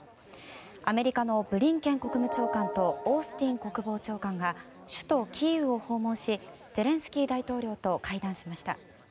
アメリカのブリンケン国務長官とオースティン国防長官が首都キーウを訪問しゼレンスキー大統領と会談しました。